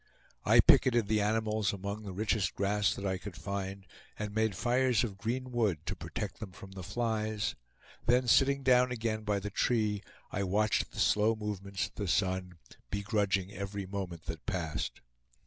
I picketed the animals among the richest grass that I could find, and made fires of green wood to protect them from the flies; then sitting down again by the tree, I watched the slow movements of the sun, begrudging every moment that passed.